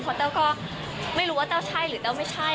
เพราะแต้วก็ไม่รู้ว่าแต้วใช่หรือแต้วไม่ใช่